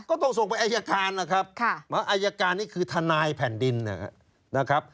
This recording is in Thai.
ก็ต้องส่งไปอายการนะครับอายการนี่คือทนายแผ่นดินนะครับ